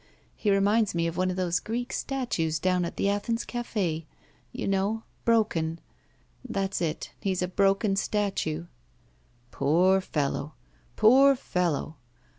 He reminds me of one of those Greek statues down at the Athens Caf6. You know — ^broken. That's it; he's a broken statue." Poor fellow! Poor fellow!